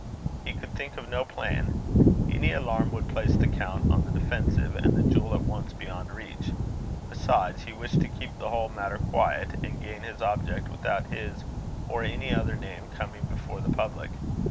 He could think of no plan. Any alarm would place the count on the defensive, and the jewel at once beyond reach. Besides, he wished to keep the whole matter quiet, and gain his object without his or any other name coming before the public.